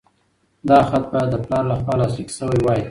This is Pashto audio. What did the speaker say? دا خط باید د پلار لخوا لاسلیک شوی وای.